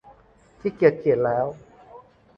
ขี้เกียจเขียนแล้ว